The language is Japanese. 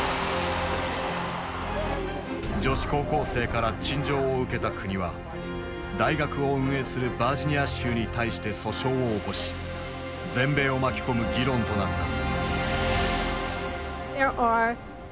女子高校生から陳情を受けた国は大学を運営するバージニア州に対して訴訟を起こし全米を巻き込む議論となった。